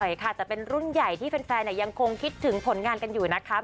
ใช่ค่ะแต่เป็นรุ่นใหญ่ที่แฟนยังคงคิดถึงผลงานกันอยู่นะคะ